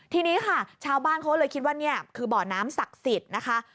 ทีนี้ค่ะชาวบ้านเขาเลยคิดว่านี่คือบ่อน้ำศักดิ์สิทธิ์นะคะ